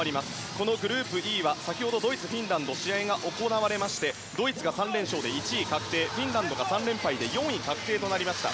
このグループＥは先ほどドイツ、フィンランド試合が行われましてドイツが３連勝で１位確定フィンランドが３連敗で４位確定となりました。